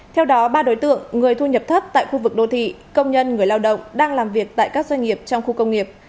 theo đó ba đối tượng người thu nhập thấp tại khu vực đô thị công nhân người lao động đang làm việc tại các doanh nghiệp trong khu công nghiệp